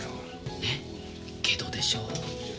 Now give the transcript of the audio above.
ねっけどでしょう。